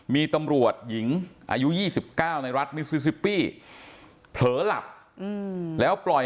มีตำรวจหญิงอายุ๒๙ในรัฐมิซิซิปปี้เผลอหลับแล้วปล่อย